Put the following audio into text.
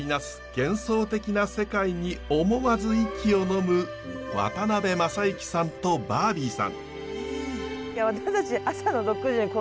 幻想的な世界に思わず息をのむ渡辺正行さんとバービーさん。